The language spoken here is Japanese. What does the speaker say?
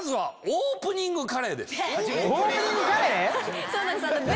オープニングカレー⁉そうなんです。